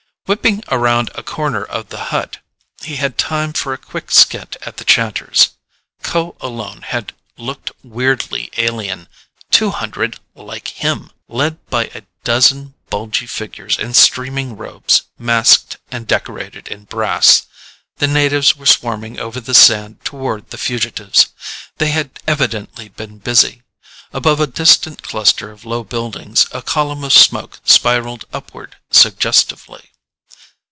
Whipping around a corner of the hut, he had time for a quick squint at the chanters. Kho alone had looked weirdly alien. Two hundred like him ! Led by a dozen bulgy figures in streaming robes, masked and decorated in brass, the natives were swarming over the sand toward the fugitives. They had evidently been busy. Above a distant cluster of low buildings, a column of smoke spiraled upward suggestively.